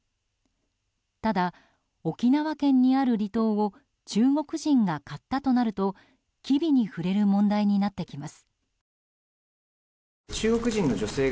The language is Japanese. ただ、沖縄県にある離島を中国人が買ったとなると機微に触れる問題になってきます。